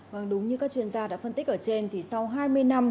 vâng đúng như các chuyên gia đã phân tích ở trên thì sau hai mươi năm